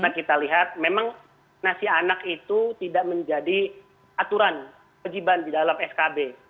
kita lihat memang nasi anak itu tidak menjadi aturan kejiban di dalam skb